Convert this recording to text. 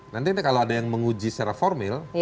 nanti ini kalau ada yang menguji secara formil